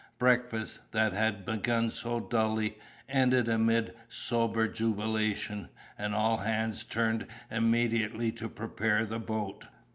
Breakfast, that had begun so dully, ended amid sober jubilation, and all hands turned immediately to prepare the boat.